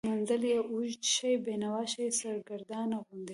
منزل یې اوږد شي، بینوا شي، سرګردانه غوندې